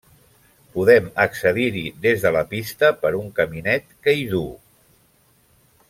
Podem accedir-hi des de la pista per un caminet que hi duu.